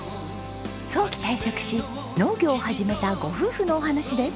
早期退職し農業を始めたご夫婦のお話です。